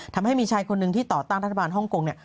ทำให้มีชายคนหนึ่งที่ต่อตั้งรัฐบาลฮ่องกงเนี่ย